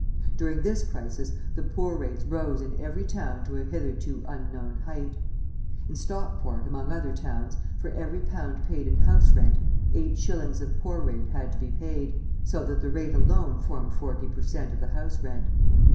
During this crisis the poor rates rose in every town to a hitherto unknown height. In Stockport, among other towns, for every pound paid in house rent, eight shillings of poor rate had to be paid, so that the rate alone formed forty per cent. of the house rent.